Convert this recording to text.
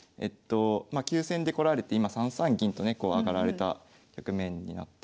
急戦で来られて今３三銀とね上がられた局面になってまして。